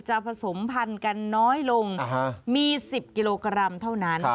ผสมพันธุ์กันน้อยลงมี๑๐กิโลกรัมเท่านั้น